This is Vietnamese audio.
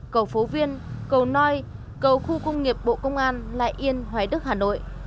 cầu phố viên cầu noi cầu khu công nghiệp bộ công an lại yên hoài đức hà nội